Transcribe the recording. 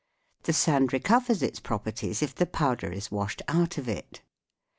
The sand recovers its pro perties if the powder is washed out of it.